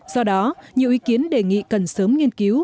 do đó nhiều ý kiến đề nghị cần sớm nghiên cứu